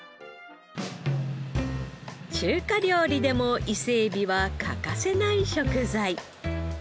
中華料理でも伊勢エビは欠かせない食材。